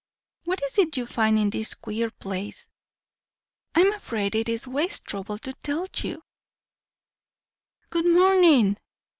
"What is it you find in this queer place?" "I am afraid it is waste trouble to tell you." "Good morning!"